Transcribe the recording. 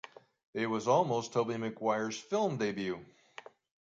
It was also Tobey Maguire's film debut.